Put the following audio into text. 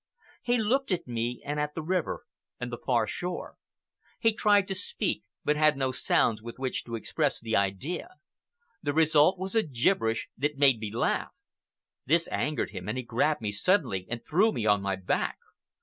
He looked at me, and at the river and the far shore. He tried to speak, but had no sounds with which to express the idea. The result was a gibberish that made me laugh. This angered him, and he grabbed me suddenly and threw me on my back.